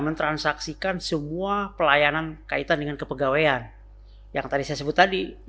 mentransaksikan semua pelayanan kaitan dengan kepegawaian yang tadi saya sebut tadi